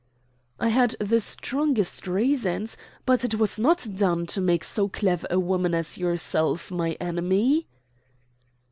"I had the strongest reasons, but it was not done to make so clever a woman as yourself my enemy."